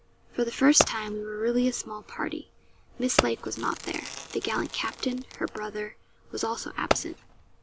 For the first time we were really a small party. Miss Lake was not there. The gallant captain, her brother, was also absent.